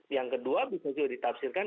yang kedua bisa juga ditafsirkan